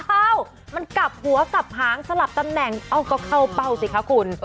เอ้ามันกลับหัวกลับหางสลับตำแหน่งเอ้าก็เข้าเป้าสิคะคุณ